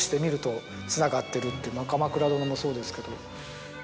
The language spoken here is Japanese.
『鎌倉殿』もそうですけど。